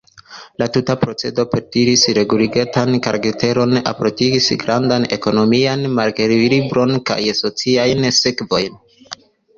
La tuta procedo perdis reguligitan karakteron, alportis grandan ekonomian malekvilibron kaj sociajn sekvojn.